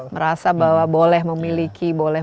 merasa bahwa boleh memiliki boleh